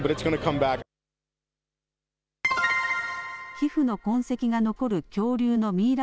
皮膚の痕跡が残る恐竜のミイラ